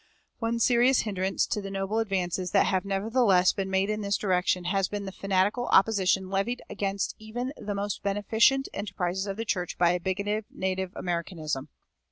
One serious hindrance to the noble advances that have nevertheless been made in this direction has been the fanatical opposition levied against even the most beneficent enterprises of the church by a bigoted Native Americanism.